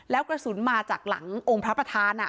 แล้วกระสุนมาจากหลังองค์พระอภิษฐรม